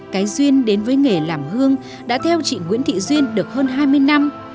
cái duyên đến với nghề làm hương đã theo chị nguyễn thị duyên được hơn hai mươi năm